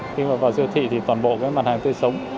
khi mà vào siêu thị thì toàn bộ cái mặt hàng tươi sống